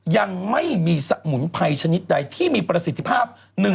ยังไม่มีสมุนไพรชนิดใดที่มีประสิทธิภาพ